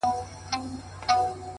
زنګ وهلی د خوشال د توري شرنګ یم؛